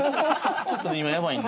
◆ちょっと今やばいんで。